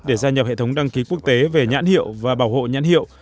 để gia nhập hệ thống đăng ký quốc tế về nhãn hiệu và bảo hộ nhãn hiệu